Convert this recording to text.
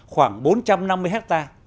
khoảng bốn trăm năm mươi ha